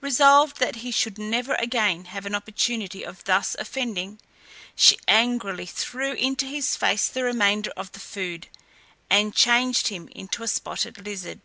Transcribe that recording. Resolved that he should never again have an opportunity of thus offending, she angrily threw into his face the remainder of the food, and changed him into a spotted lizard.